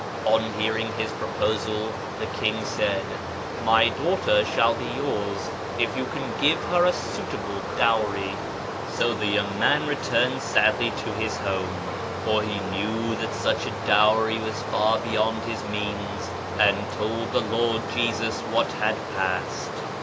On hearing his proposal KIRMAN society 447 the king said, ' My daughter shall be yours if you can give her a suitable dowry,' So the young man returned sadly to his home (for he knew that such a dowry was far beyond his means) and told the Lord Jesus what had passed.